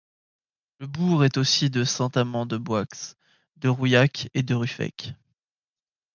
Le bourg est aussi à de Saint-Amant-de-Boixe, de Rouillac et de Ruffec.